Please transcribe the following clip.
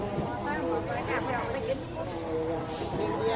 สวัสดีทุกคนสวัสดีทุกคน